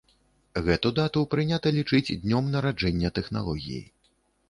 Гэту дату прынята лічыць днём нараджэння тэхналогіі.